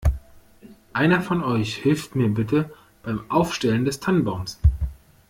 Einer von euch hilft mir bitte beim Aufstellen des Tannenbaums.